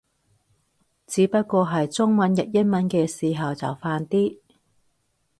只不過係中文譯英文嘅時候就煩啲